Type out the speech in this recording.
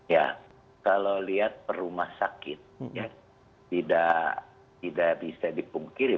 ya kalau lihat rumah sakit tidak bisa dipungkiri